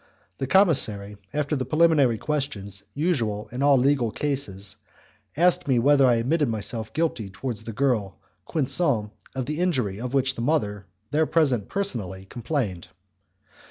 The commissary, after the preliminary questions usual in all legal cases, asked me whether I admitted myself guilty towards the girl Quinson of the injury of which the mother, there present personally, complained.